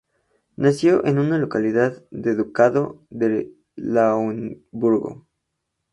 Nació en una localidad del Ducado de Lauenburgo.